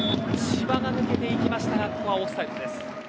千葉が抜けていきましたがここはオフサイドです。